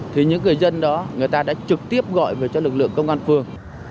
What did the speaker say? thì những người dân đó người ta đã trực tiếp gọi về cho lực lượng công an phường